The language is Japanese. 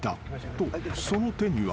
とその手には］